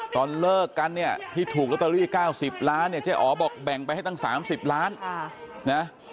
ตอนเลิกกันเนี่ยที่ถูกลอตเตอรี่๙๐ล้านเนี่ยเจ๊อ๋อบอกแบ่งไปให้ตั้ง๓๐ล้านนะ